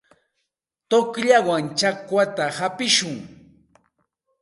Tuqllawan chakwata hapishun.